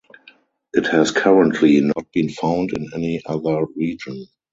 It has currently not been found in any other region.